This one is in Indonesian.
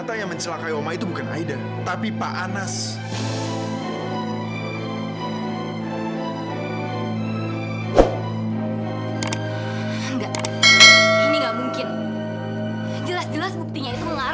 sampai jumpa di video selanjutnya